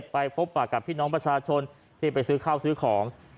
ไปพบปากกับพี่น้องประชาชนที่ไปซื้อข้าวซื้อของ